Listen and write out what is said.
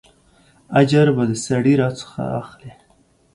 اجر به د سړي راڅخه اخلې.